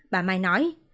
bà mai nói